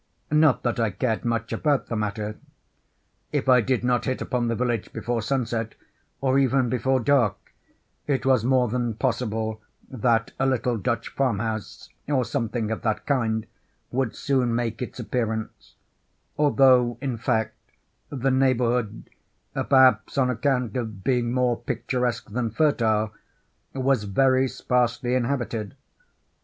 Not that I cared much about the matter. If I did not hit upon the village before sunset, or even before dark, it was more than possible that a little Dutch farmhouse, or something of that kind, would soon make its appearance—although, in fact, the neighborhood (perhaps on account of being more picturesque than fertile) was very sparsely inhabited.